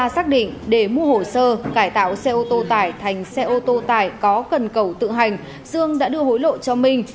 xác định để mua hồ sơ cải tạo xe ô tô tải thành xe ô tô tải có cần cầu tự hành dương đã đưa hối lộ cho minh